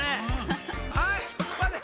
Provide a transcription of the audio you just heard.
はいそこまで。